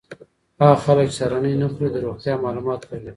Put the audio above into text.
هغه خلک چې سهارنۍ نه خوري د روغتیا مالومات لږ لري.